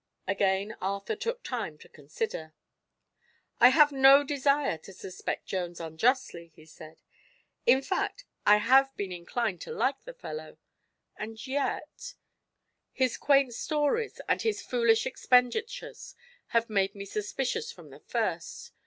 Again Arthur took time to consider. "I have no desire to suspect Jones unjustly," he said. "In fact, I have been inclined to like the fellow. And yet his quaint stories and his foolish expenditures have made me suspicious from the first.